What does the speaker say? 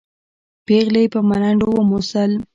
پېغلې په ملنډو وموسل.